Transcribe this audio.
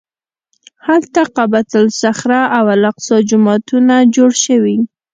هلته قبة الصخره او الاقصی جوماتونه جوړ شوي.